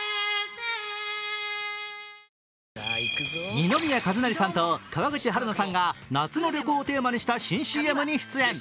二宮和也さんと川口春奈さんが夏の旅行をテーマにした新ＣＭに出演。